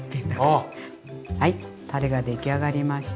はいたれができあがりました。